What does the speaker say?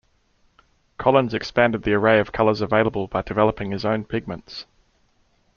Collins expanded the array of colors available by developing his own pigments.